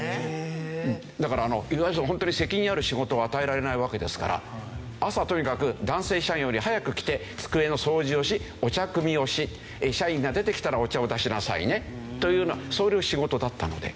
だからあのいわゆるホントに責任ある仕事を与えられないわけですから朝とにかく男性社員より早く来て机の掃除をしお茶くみをし社員が出てきたらお茶を出しなさいねというようなそういう仕事だったので。